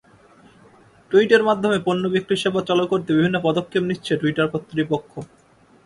টুইটের মাধ্যমে পণ্য বিক্রির সেবা চালু করতে বিভিন্ন পদক্ষেপ নিচ্ছে টুইটার কর্তৃপক্ষ।